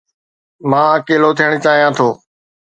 مان اڪيلو ٿيڻ چاهيان ٿو